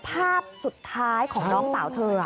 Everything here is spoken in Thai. ภาพสุดท้ายของน้องสาวเธอ